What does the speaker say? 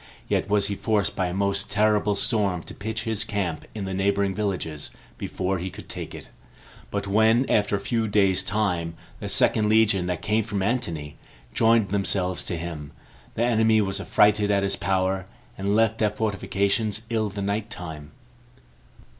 Yet was he forced by a most terrible storm to pitch his camp in the neighboring villages before he could take it. But when, after a few days' time, the second legion, that came from Antony, joined themselves to him, the enemy were affrighted at his power, and left their fortifications in the night time.